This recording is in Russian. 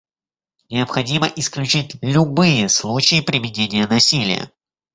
Необходимо исключить любые случаи применения насилия.